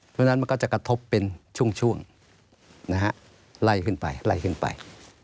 เพราะฉะนั้นมันก็จะกระทบเป็นช่วงไล่ขึ้นไปไล่ขึ้นไป